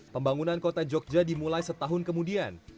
pembangunan kota jogja dimulai setahun kemudian